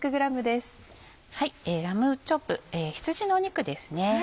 ラムチョップ羊の肉ですね。